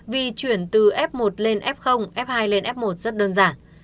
vì chuyển từ f một lên f f hai lên f một rất đơn giản